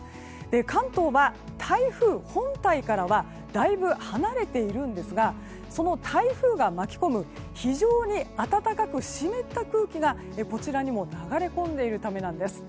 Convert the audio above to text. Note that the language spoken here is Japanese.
関東は、台風本体からはだいぶ離れているんですがその台風が巻き込む非常に暖かく湿った空気がこちらにも流れ込んでいるためなんです。